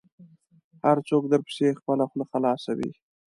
هر څوک درپسې خپله خوله خلاصوي .